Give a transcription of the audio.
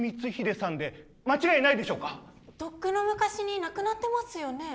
とっくの昔に亡くなってますよね？